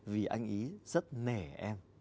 vì anh ấy rất nể em